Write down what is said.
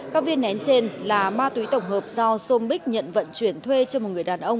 các viên nén trên là ma túy tổng hợp do sôm bích nhận vận chuyển thuê cho một người đàn ông